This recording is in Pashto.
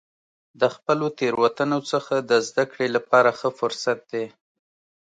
د خپلو تیروتنو څخه د زده کړې لپاره ښه فرصت دی.